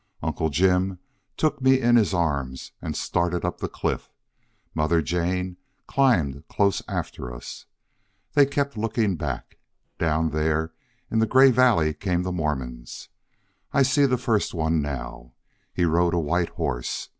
Uncle Jim took me in his arms and started up the cliff. Mother Jane climbed close after us. They kept looking back. Down there in the gray valley came the Mormons. I see the first one now. He rode a white horse.